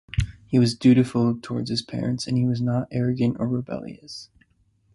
He was dutiful towards his parents and he was not arrogant or rebellious.